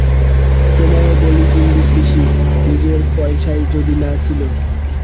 তোমায়ও বলি ইন্দির পিসি, নিজের পয়সাই যদি না ছিল।